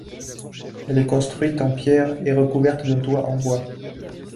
Elle est construite en pierres et recouverte d'un toit en bois.